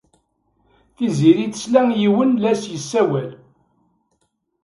Tiziri tesla i yiwen la as-yessawal.